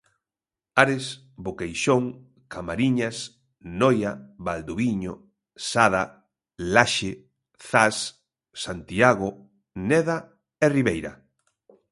Ares, Boqueixón, Camariñas, Noia, Valdoviño, Sada, Laxe, Zas, Santiago, Neda, e Ribeira.